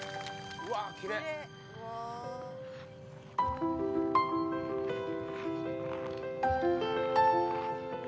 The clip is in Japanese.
うわぁきれい！